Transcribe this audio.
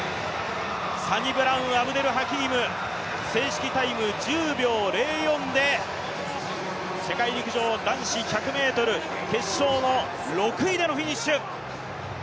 サニブラウン・アブデル・ハキーム、正式タイム１０秒０４で世界陸上男子１００ｍ、決勝の６位でのフィニッシュ。